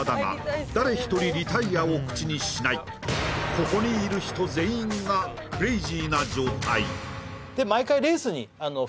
ここにいる人全員がクレイジーな状態